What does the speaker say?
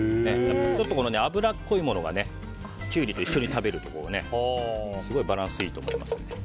ちょっと脂っこいものがキュウリと一緒に食べるとすごいバランスいいと思います。